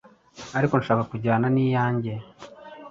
ariko nshaka kujyana n’iyanjye.